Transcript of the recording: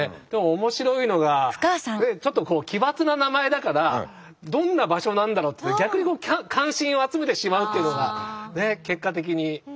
でも面白いのがちょっと奇抜な名前だからどんな場所なんだろうって逆に関心を集めてしまうっていうのが結果的に。